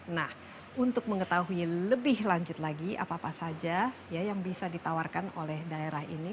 nah untuk mengetahui lebih lanjut lagi apa apa saja yang bisa ditawarkan oleh daerah ini